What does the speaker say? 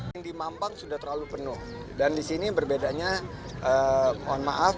yang di mampang sudah terlalu penuh dan disini berbedanya mohon maaf